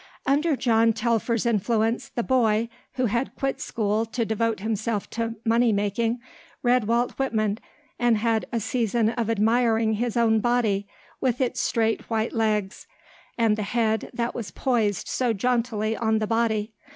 Under John Telfer's influence, the boy, who had quit school to devote himself to money making, read Walt Whitman and had a season of admiring his own body with its straight white legs, and the head that was poised so jauntily on the body.